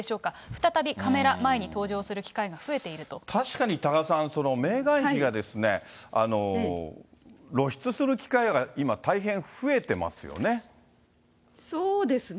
再びカメラ前に登場する機会が増確かに多賀さん、メーガン妃がですね、露出する機会が今、そうですね。